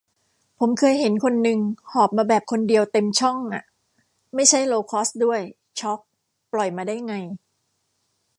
ผมเคยเห็นคนนึงหอบมาแบบคนเดียวเต็มช่องอะ ไม่ใช่โลว์คอสต์ด้วย ช็อก ปล่อยมาได้ไง